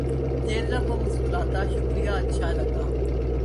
زیر لب وہ مسکراتا شکریہ اچھا لگا